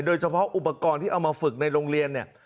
โดยเฉพาะอุปกรณ์ที่เอามาฝึกในโรงเรียนเนี่ย